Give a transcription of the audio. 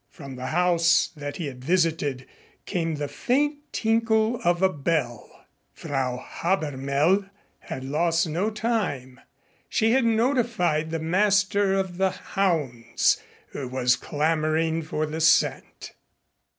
From the house that he had visited came the faint tinkle of a bell. Frau Habermehl had lost no time. She had notified the master of the hounds who was clamoring for the scent.